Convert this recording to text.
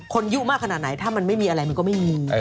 ยุมากขนาดไหนถ้ามันไม่มีอะไรมันก็ไม่มี